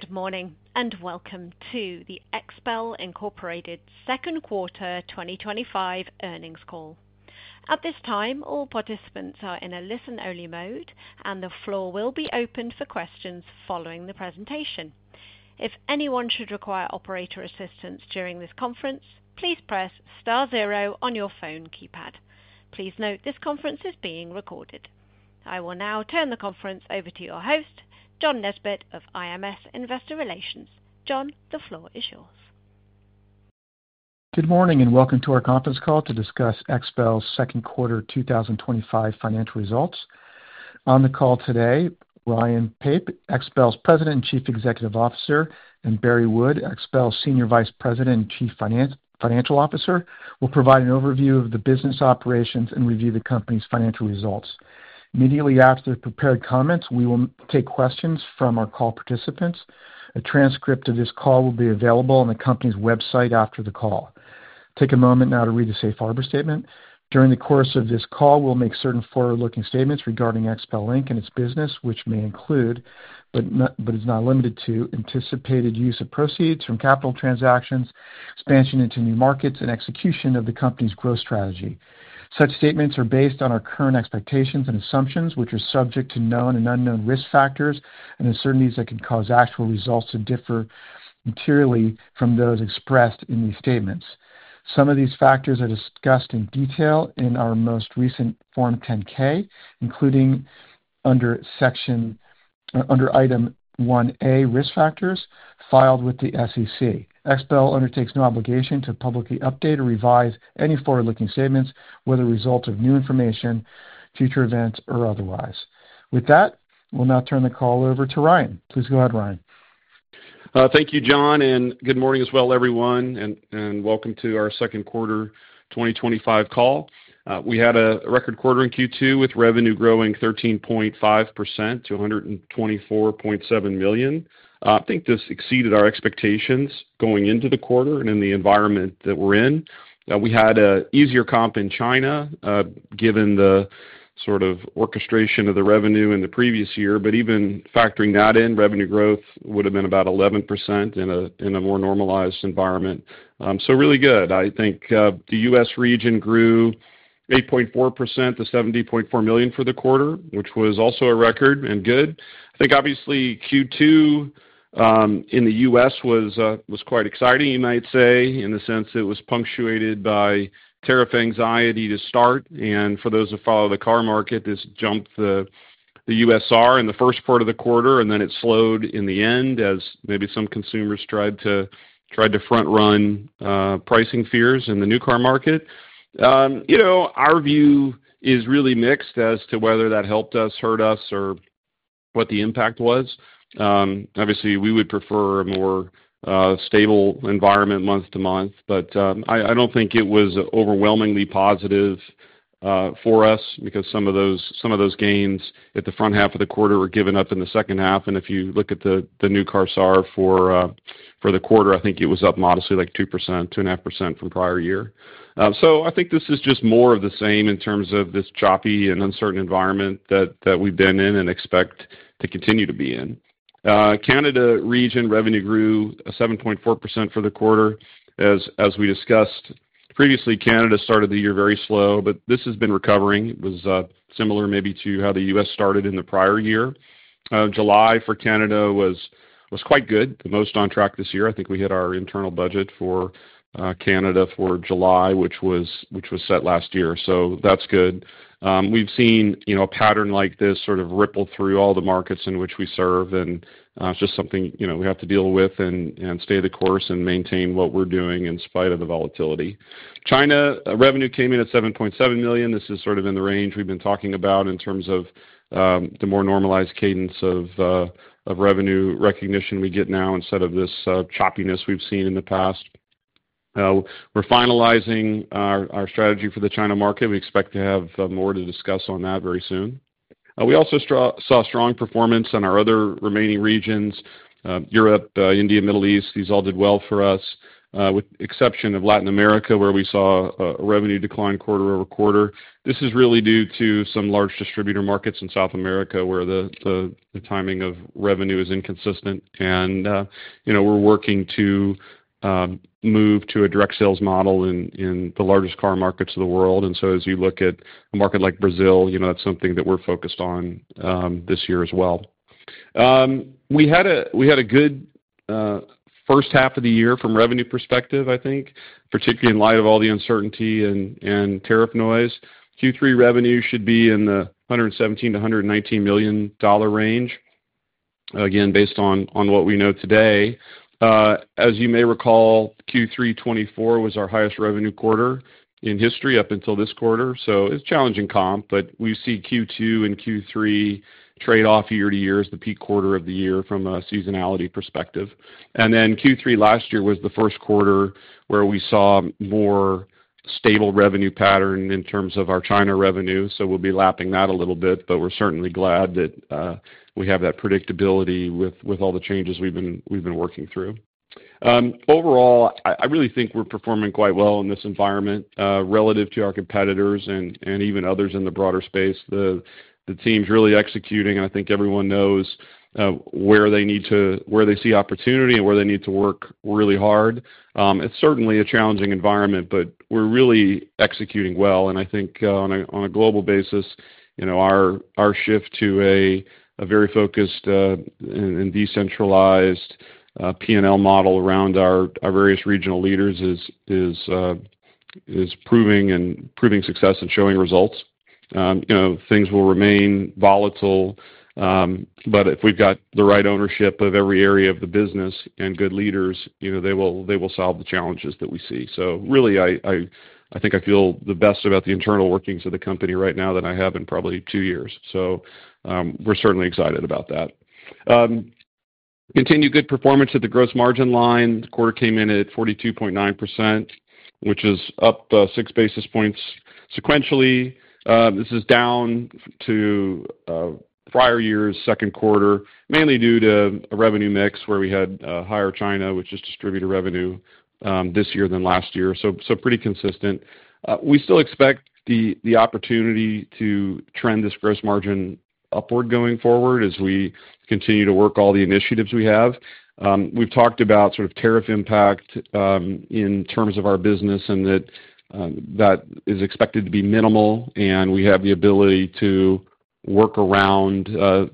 Good morning and welcome to the XPEL Incorporated Second Quarter 2025 Earnings Call. At this time, all participants are in a listen-only mode, and the floor will be open for questions following the presentation. If anyone should require operator assistance during this conference, please press star zero on your phone keypad. Please note this conference is being recorded. I will now turn the conference over to your host, John Nesbitt of IMS Investor Relations. John, the floor is yours. Good morning and welcome to our conference call to discuss XPEL's second quarter 2025 financial results. On the call today, Ryan Pape, XPEL's President and Chief Executive Officer, and Barry Wood, XPEL's Senior Vice President and Chief Financial Officer, will provide an overview of the business operations and review the company's financial results. Immediately after the prepared comments, we will take questions from our call participants. A transcript of this call will be available on the company's website after the call. Take a moment now to read the safe harbor statement. During the course of this call, we'll make certain forward-looking statements regarding XPEL and its business, which may include, but is not limited to, anticipated use of proceeds from capital transactions, expansion into new markets, and execution of the company's growth strategy. Such statements are based on our current expectations and assumptions, which are subject to known and unknown risk factors and uncertainties that can cause actual results to differ materially from those expressed in these statements. Some of these factors are discussed in detail in our most recent Form 10-K, including under section under item 1A, risk factors filed with the SEC. XPEL undertakes no obligation to publicly update or revise any forward-looking statements, whether a result of new information, future events, or otherwise. With that, we'll now turn the call over to Ryan. Please go ahead, Ryan. Thank you, John, and good morning as well, everyone, and welcome to our second quarter 2025 call. We had a record quarter in Q2 with revenue growing 13.5% to $124.7 million. I think this exceeded our expectations going into the quarter and in the environment that we're in. We had an easier comp in China, given the sort of orchestration of the revenue in the previous year, but even factoring that in, revenue growth would have been about 11% in a more normalized environment. Really good. I think the U.S. region grew 8.4% to $70.4 million for the quarter, which was also a record and good. Obviously, Q2 in the U.S. was quite exciting, you might say, in the sense it was punctuated by tariff anxiety to start, and for those that follow the car market, this jumped the U.S. SAR in the first part of the quarter, and then it slowed in the end as maybe some consumers tried to front-run pricing fears in the new car market. Our view is really mixed as to whether that helped us, hurt us, or what the impact was. Obviously, we would prefer a more stable environment month to month, but I don't think it was overwhelmingly positive for us because some of those gains at the front half of the quarter were given up in the second half, and if you look at the new car SAR for the quarter, I think it was up modestly like 2%-2.5% from prior year. I think this is just more of the same in terms of this choppy and uncertain environment that we've been in and expect to continue to be in. Canada region revenue grew 7.4% for the quarter. As we discussed previously, Canada started the year very slow, but this has been recovering. It was similar maybe to how the U.S. started in the prior year. July for Canada was quite good. The most on track this year. I think we hit our internal budget for Canada for July, which was set last year. That's good. We've seen a pattern like this sort of ripple through all the markets in which we serve, and it's just something we have to deal with and stay the course and maintain what we're doing in spite of the volatility. China, revenue came in at $7.7 million. This is sort of in the range we've been talking about in terms of the more normalized cadence of revenue recognition we get now instead of this choppiness we've seen in the past. We're finalizing our strategy for the China market. We expect to have more to discuss on that very soon. We also saw strong performance in our other remaining regions. Europe, India, Middle East, these all did well for us, with the exception of Latin America where we saw a revenue decline quarter-over-quarter. This is really due to some large distributor markets in South America where the timing of revenue is inconsistent, and, you know, we're working to move to a direct sales model in the largest car markets of the world. As you look at a market like Brazil, you know, that's something that we're focused on this year as well. We had a good first half of the year from a revenue perspective, I think, particularly in light of all the uncertainty and tariff noise. Q3 revenue should be in the $117 million-$119 million range, again, based on what we know today. As you may recall, Q3 2024 was our highest revenue quarter in history up until this quarter. It's a challenging comp, but we see Q2 and Q3 trade off year to year as the peak quarter of the year from a seasonality perspective. Q3 last year was the first quarter where we saw a more stable revenue pattern in terms of our China revenue. We'll be lapping that a little bit, but we're certainly glad that we have that predictability with all the changes we've been working through. Overall, I really think we're performing quite well in this environment relative to our competitors and even others in the broader space. The team's really executing, and I think everyone knows where they see opportunity and where they need to work really hard. It's certainly a challenging environment, but we're really executing well. I think on a global basis, our shift to a very focused and decentralized P&L model around our various regional leaders is proving success and showing results. Things will remain volatile, but if we've got the right ownership of every area of the business and good leaders, they will solve the challenges that we see. I think I feel the best about the internal workings of the company right now than I have in probably two years. We're certainly excited about that. Continued good performance at the gross margin line. The quarter came in at 42.9%, which is up six basis points sequentially. This is down to prior year's second quarter, mainly due to a revenue mix where we had a higher China, which is distributor revenue this year than last year. So, pretty consistent. We still expect the opportunity to trend this gross margin upward going forward as we continue to work all the initiatives we have. We've talked about sort of tariff impact in terms of our business and that is expected to be minimal, and we have the ability to work around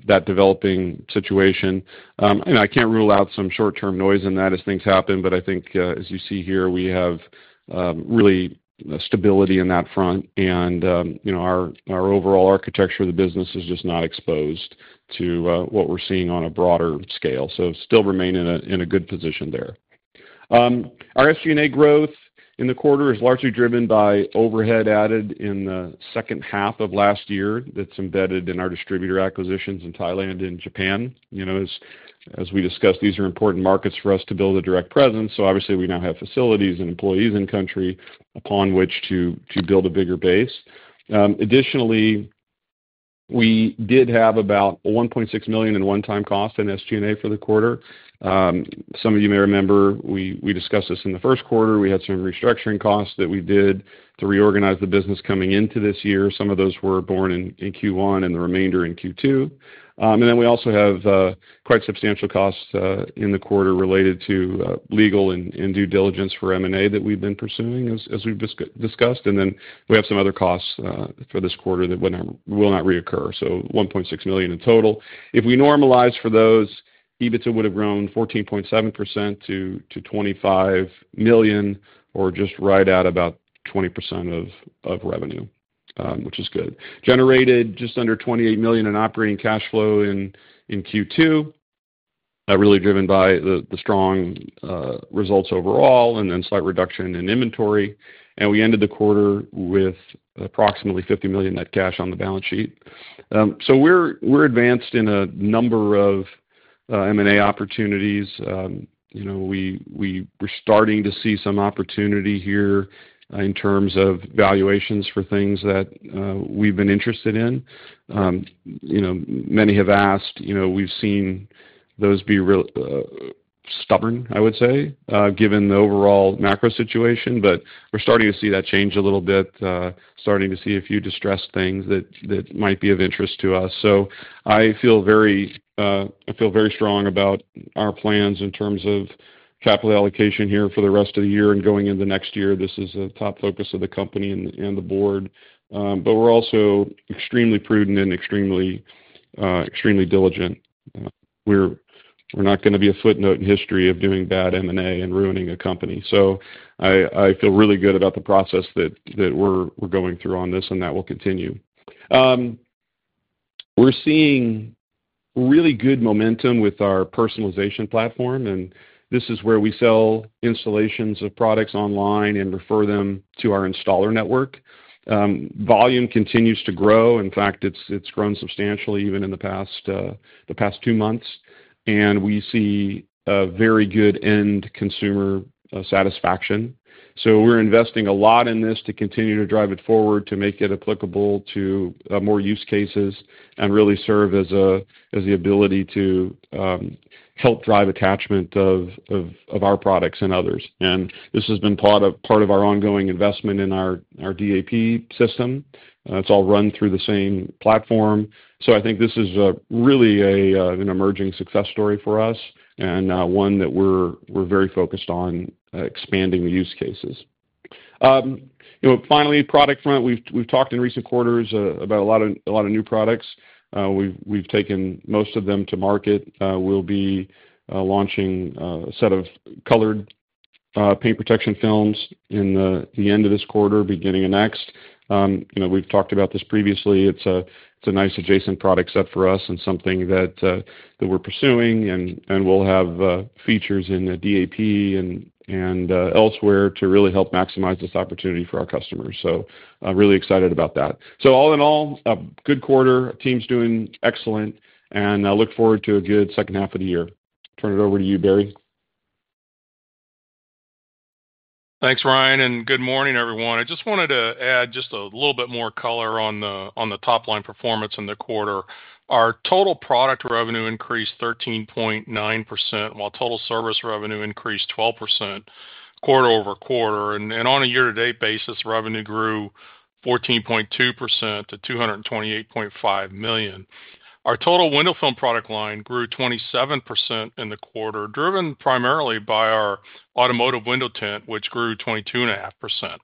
that developing situation. I can't rule out some short-term noise in that as things happen, but I think as you see here, we have really stability in that front, and our overall architecture of the business is just not exposed to what we're seeing on a broader scale. Still remain in a good position there. Our SG&A growth in the quarter is largely driven by overhead added in the second half of last year that's embedded in our distributor acquisitions in Thailand and Japan. As we discussed, these are important markets for us to build a direct presence. Obviously, we now have facilities and employees in country upon which to build a bigger base. Additionally, we did have about $1.6 million in one-time cost in SG&A for the quarter. Some of you may remember we discussed this in the first quarter. We had some restructuring costs that we did to reorganize the business coming into this year. Some of those were borne in Q1 and the remainder in Q2. We also have quite substantial costs in the quarter related to legal and due diligence for M&A that we've been pursuing as we've discussed. We have some other costs for this quarter that will not reoccur. So $1.6 million in total. If we normalized for those, EBITDA would have grown 14.7% to $25 million or just right at about 20% of revenue, which is good. Generated just under $28 million in operating cash flow in Q2, really driven by the strong results overall and then slight reduction in inventory. We ended the quarter with approximately $50 million net cash on the balance sheet. We're advanced in a number of M&A opportunities. We're starting to see some opportunity here in terms of valuations for things that we've been interested in. You know, many have asked, you know, we've seen those be really stubborn, I would say, given the overall macro situation, but we're starting to see that change a little bit, starting to see a few distressed things that might be of interest to us. I feel very strong about our plans in terms of capital allocation here for the rest of the year and going into next year. This is a top focus of the company and the board. We're also extremely prudent and extremely diligent. We're not going to be a footnote in history of doing bad M&A and ruining a company. I feel really good about the process that we're going through on this, and that will continue. We're seeing really good momentum with our personalization platform, and this is where we sell installations of products online and refer them to our installer network. Volume continues to grow. In fact, it's grown substantially even in the past two months. We see a very good end-consumer satisfaction. We're investing a lot in this to continue to drive it forward to make it applicable to more use cases and really serve as the ability to help drive attachment of our products and others. This has been part of our ongoing investment in our DAP system. It's all run through the same platform. I think this is really an emerging success story for us and one that we're very focused on expanding the use cases. You know, finally, product front, we've talked in recent quarters about a lot of new products. We've taken most of them to market. We'll be launching a set of colored paint protection films in the end of this quarter, beginning of next. You know, we've talked about this previously. It's a nice adjacent product set for us and something that we're pursuing and we'll have features in the DAP and elsewhere to really help maximize this opportunity for our customers. I'm really excited about that. All in all, a good quarter. The team's doing excellent, and I look forward to a good second half of the year. Turn it over to you, Barry. Thanks, Ryan, and good morning, everyone. I just wanted to add just a little bit more color on the top-line performance in the quarter. Our total product revenue increased 13.9% while total service revenue increased 12% quarter- over-quarter. On a year-to-date basis, revenue grew 14.2% to $228.5 million. Our total window film product line grew 27% in the quarter, driven primarily by our automotive window tint, which grew 22.5%.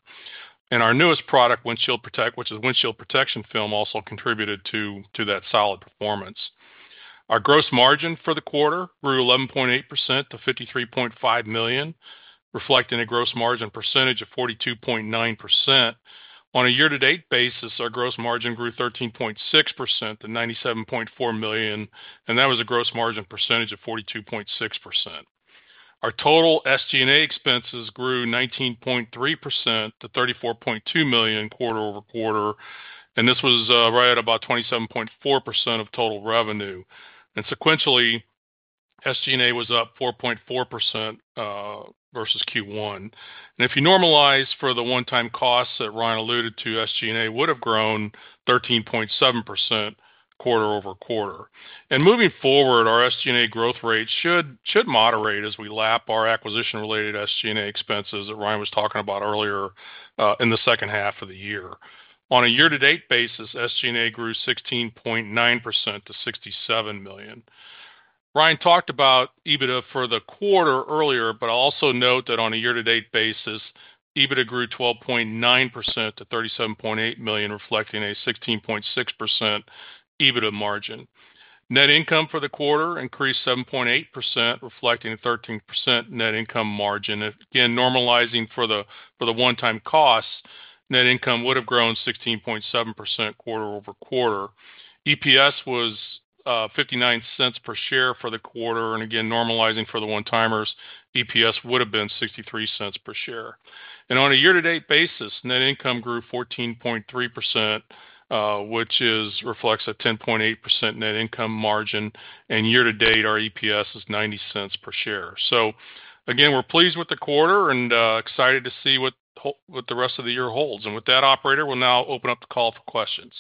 Our newest product, Windshield Protect, which is windshield protection film, also contributed to that solid performance. Our gross margin for the quarter grew 11.8% to $53.5 million, reflecting a gross margin percentage of 42.9%. On a year-to-date basis, our gross margin grew 13.6% to $97.4 million, and that was a gross margin percentage of 42.6%. Our total SG&A expenses grew 19.3% to $34.2 million quarter-over-quarter, and this was right at about 27.4% of total revenue. Sequentially, SG&A was up 4.4% versus Q1. If you normalize for the one-time costs that Ryan alluded to, SG&A would have grown 13.7% quarter-over-quarter. Moving forward, our SG&A growth rate should moderate as we lap our acquisition-related SG&A expenses that Ryan was talking about earlier in the second half of the year. On a year-to-date basis, SG&A grew 16.9% to $67 million. Ryan talked about EBITDA for the quarter earlier, but I'll also note that on a year-to-date basis, EBITDA grew 12.9% to $37.8 million, reflecting a 16.6% EBITDA margin. Net income for the quarter increased 7.8%, reflecting a 13% net income margin. Again, normalizing for the one-time costs, net income would have grown 16.7% quarter-over-quarter. EPS was $0.59 per share for the quarter, and again, normalizing for the one-timers, EPS would have been $0.63 per share. On a year-to-date basis, net income grew 14.3%, which reflects a 10.8% net income margin, and year-to-date, our EPS is $0.90 per share. We're pleased with the quarter and excited to see what the rest of the year holds. With that, operator, we'll now open up the call for questions.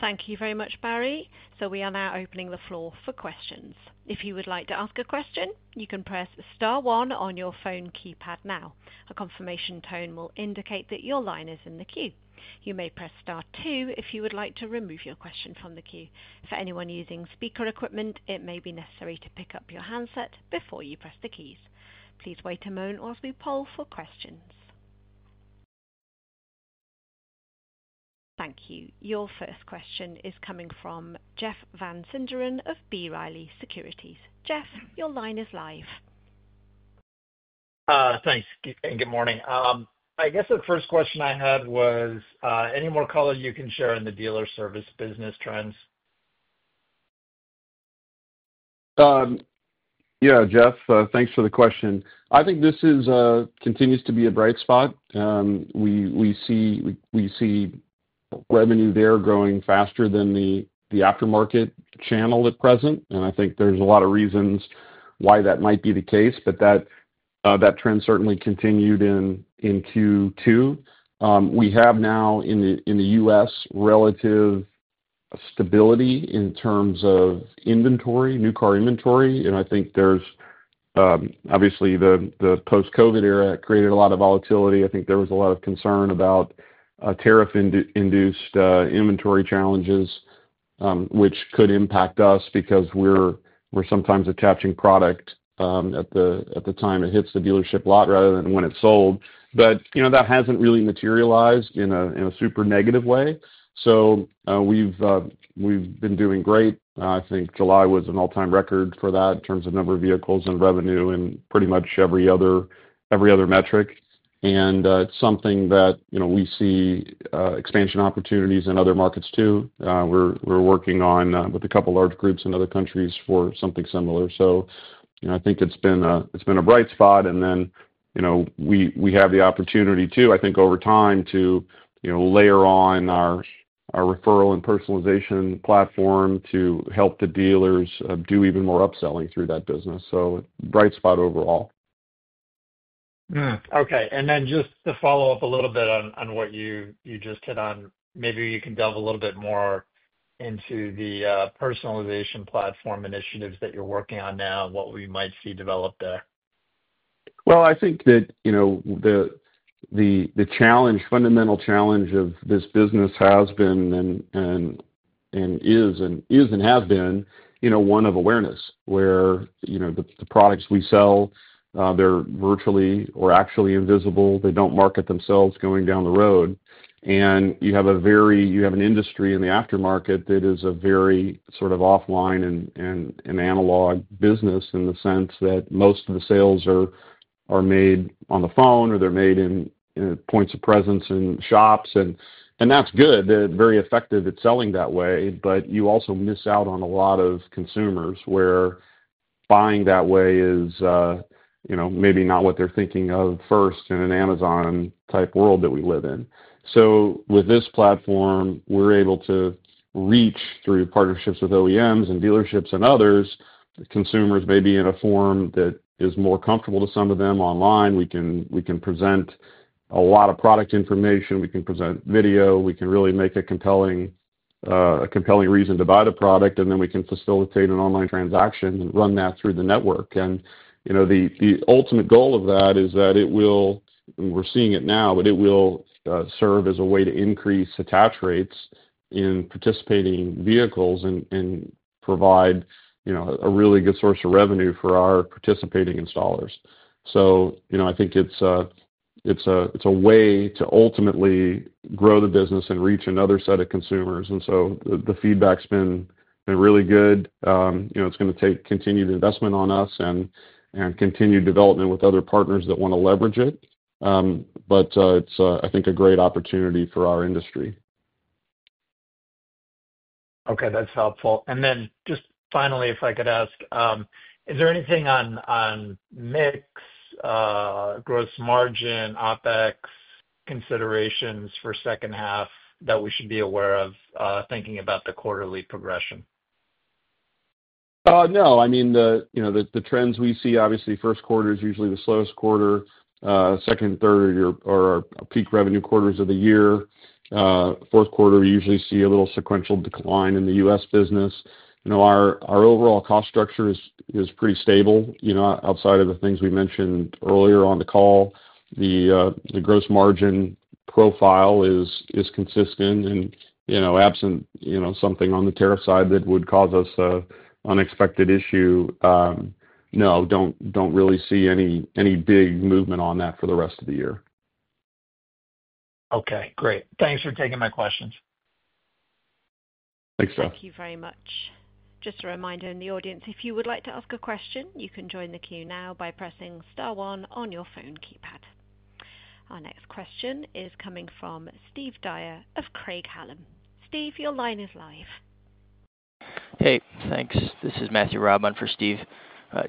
Thank you very much, Barry. We are now opening the floor for questions. If you would like to ask a question, you can press star one on your phone keypad now. A confirmation tone will indicate that your line is in the queue. You may press star two if you would like to remove your question from the queue. For anyone using speaker equipment, it may be necessary to pick up your handset before you press the keys. Please wait a moment while we poll for questions. Thank you. Your first question is coming from Jeff Van Sinderen of B. Riley Securities. Jeff, your line is live. Thanks, and good morning. I guess the first question I had was, any more color you can share in the dealer service business trends? Yeah, Jeff, thanks for the question. I think this continues to be a bright spot. We see revenue there growing faster than the aftermarket channel at present, and I think there's a lot of reasons why that might be the case, but that trend certainly continued in Q2. We have now in the U.S. relative stability in terms of inventory, new car inventory, and I think obviously the post-COVID era created a lot of volatility. I think there was a lot of concern about tariff-induced inventory challenges, which could impact us because we're sometimes attaching product at the time it hits the dealership lot rather than when it's sold. That hasn't really materialized in a super negative way. We've been doing great. I think July was an all-time record for that in terms of number of vehicles and revenue and pretty much every other metric. It's something that we see expansion opportunities in other markets too. We're working on with a couple of large groups in other countries for something similar. I think it's been a bright spot, and we have the opportunity too, I think over time, to layer on our referral and personalization platform to help the dealers do even more upselling through that business. Bright spot overall. Okay. To follow up a little bit on what you just hit on, maybe you can delve a little bit more into the personalization platform initiatives that you're working on now, what we might see develop there. I think that the challenge, fundamental challenge of this business has been and is one of awareness where the products we sell, they're virtually or actually invisible. They don't market themselves going down the road. You have an industry in the aftermarket that is a very sort of offline and analog business in the sense that most of the sales are made on the phone or they're made in points of presence in shops. That's good. They're very effective at selling that way, but you also miss out on a lot of consumers where buying that way is maybe not what they're thinking of first in an Amazon type world that we live in. With this platform, we're able to reach through partnerships with OEMs and dealerships and others. The consumers may be in a form that is more comfortable to some of them online. We can present a lot of product information. We can present video. We can really make a compelling reason to buy the product, and then we can facilitate an online transaction and run that through the network. The ultimate goal of that is that it will, and we're seeing it now, but it will serve as a way to increase attach rates in participating vehicles and provide a really good source of revenue for our participating installers. I think it's a way to ultimately grow the business and reach another set of consumers. The feedback's been really good. It's going to take continued investment on us and continued development with other partners that want to leverage it. I think it's a great opportunity for our industry. Okay. That's helpful. Finally, if I could ask, is there anything on mix, gross margin, OpEx considerations for second half that we should be aware of thinking about the quarterly progression? No, I mean, the trends we see, obviously, first quarter is usually the slowest quarter. Second and third are our peak revenue quarters of the year. Fourth quarter, we usually see a little sequential decline in the U.S. business. Our overall cost structure is pretty stable. Outside of the things we mentioned earlier on the call, the gross margin profile is consistent and, absent something on the tariff side that would cause us an unexpected issue, no, don't really see any big movement on that for the rest of the year. Okay. Great. Thanks for taking my questions. Thanks, Jeff. Thank you very much. Just a reminder in the audience, if you would like to ask a question, you can join the queue now by pressing star one on your phone keypad. Our next question is coming from Steve Dyer of Craig-Hallum. Steve, your line is live. Hey, thanks. This is Matthew Raab in for Steve.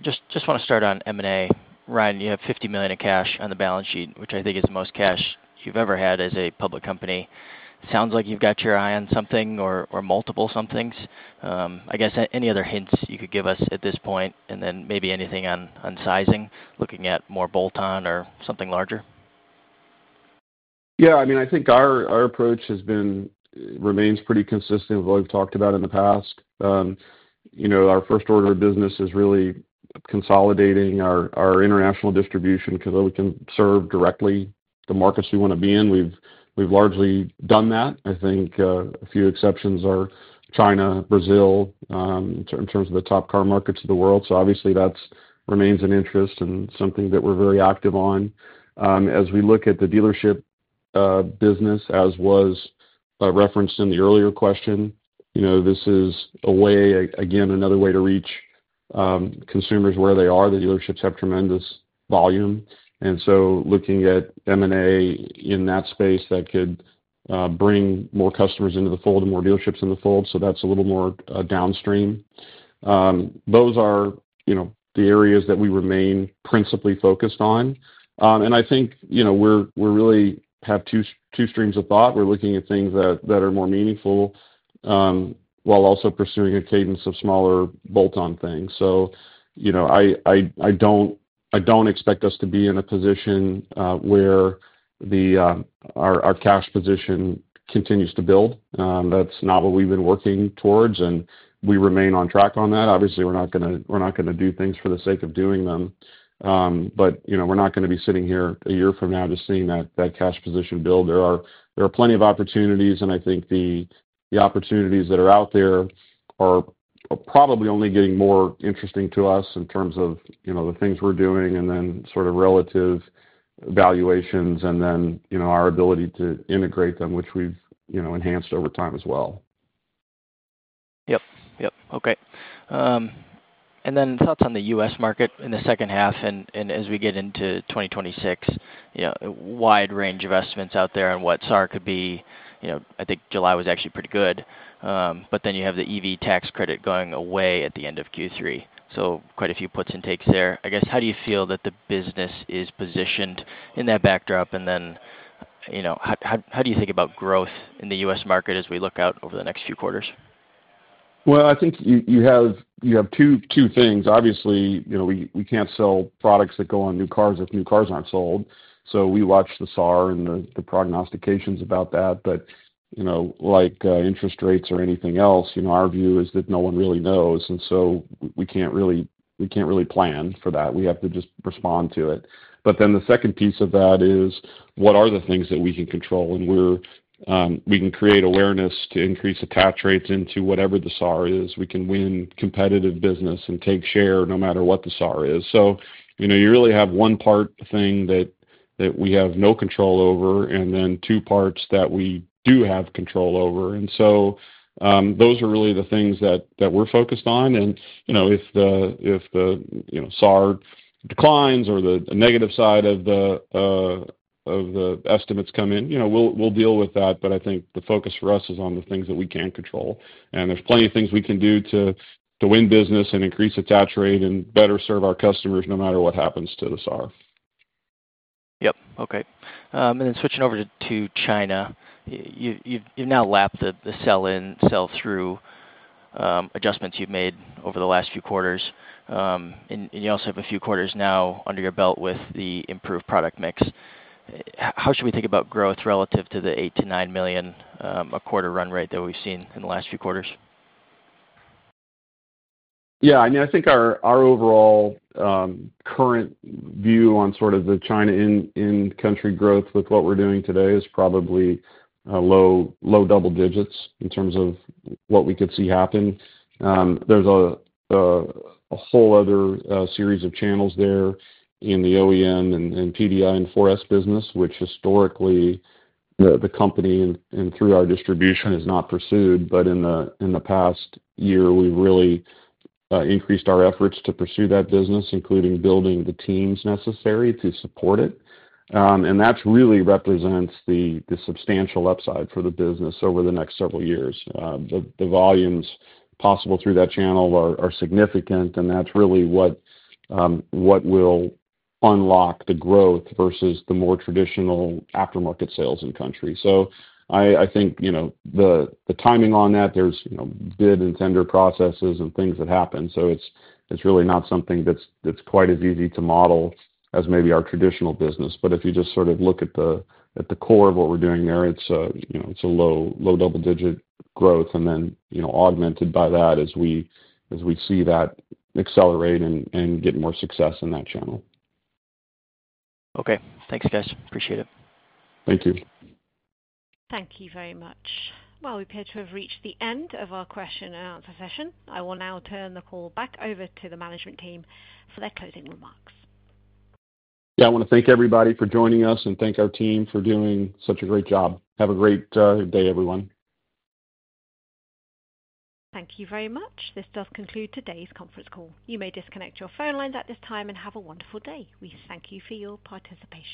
Just want to start on M&A. Ryan, you have $50 million in cash on the balance sheet, which I think is the most cash you've ever had as a public company. Sounds like you've got your eye on something or multiple somethings. I guess any other hints you could give us at this point, and then maybe anything on sizing, looking at more bolt-on or something larger? Yeah. I mean, I think our approach has been and remains pretty consistent with what we've talked about in the past. You know, our first order of business is really consolidating our international distribution so that we can serve directly the markets we want to be in. We've largely done that. I think a few exceptions are China and Brazil, in terms of the top car markets of the world. Obviously, that remains an interest and something that we're very active on. As we look at the dealership business, as was referenced in the earlier question, this is a way, again, another way to reach consumers where they are. The dealerships have tremendous volume. Looking at M&A in that space could bring more customers into the fold and more dealerships in the fold. That's a little more downstream. Those are the areas that we remain principally focused on. I think we really have two streams of thought. We're looking at things that are more meaningful, while also pursuing a cadence of smaller bolt-on things. I don't expect us to be in a position where our cash position continues to build. That's not what we've been working towards, and we remain on track on that. Obviously, we're not going to do things for the sake of doing them, but we're not going to be sitting here a year from now just seeing that cash position build. There are plenty of opportunities, and I think the opportunities that are out there are probably only getting more interesting to us in terms of the things we're doing and then sort of relative evaluations and our ability to integrate them, which we've enhanced over time as well. Yep. Okay, and then thoughts on the U.S. market in the second half and as we get into 2026, you know, wide range of estimates out there and what SAR could be. I think July was actually pretty good, but then you have the EV tax credit going away at the end of Q3. There are quite a few puts and takes there. I guess, how do you feel that the business is positioned in that backdrop? How do you think about growth in the U.S. market as we look out over the next few quarters? I think you have two things. Obviously, you know, we can't sell products that go on new cars if new cars aren't sold. We watch the SAR and the prognostications about that. You know, like interest rates or anything else, our view is that no one really knows. We can't really plan for that. We have to just respond to it. The second piece of that is what are the things that we can control? We can create awareness to increase attach rates into whatever the SAR is. We can win competitive business and take share no matter what the SAR is. You really have one part, a thing that we have no control over, and then two parts that we do have control over. Those are really the things that we're focused on. If the SAR declines or the negative side of the estimates come in, we'll deal with that. I think the focus for us is on the things that we can control. There's plenty of things we can do to win business and increase attach rate and better serve our customers no matter what happens to the SAR. Okay, and then switching over to China, you've now lapped the sell-in, sell-through, adjustments you've made over the last few quarters, and you also have a few quarters now under your belt with the improved product mix. How should we think about growth relative to the $8 million-$9 million a quarter run rate that we've seen in the last few quarters? Yeah. I mean, I think our overall, current view on sort of the China in-country growth with what we're doing today is probably a low, low double digits in terms of what we could see happen. There's a whole other series of channels there in the OEM and PDI and 4S business, which historically, the company and through our distribution has not pursued. In the past year, we really increased our efforts to pursue that business, including building the teams necessary to support it. That really represents the substantial upside for the business over the next several years. The volumes possible through that channel are significant, and that's really what will unlock the growth versus the more traditional aftermarket sales in country. I think the timing on that, there's bid and tender processes and things that happen. It's really not something that's quite as easy to model as maybe our traditional business. If you just sort of look at the core of what we're doing there, it's a low, low double-digit growth, and then, you know, augmented by that as we see that accelerate and get more success in that channel. Okay, thanks, Jeff. Appreciate it. Thank you. Thank you very much. We appear to have reached the end of our question and answer session. I will now turn the call back over to the management team for their closing remarks. Yeah, I want to thank everybody for joining us and thank our team for doing such a great job. Have a great day, everyone. Thank you very much. This does conclude today's conference call. You may disconnect your phone lines at this time and have a wonderful day. We thank you for your participation.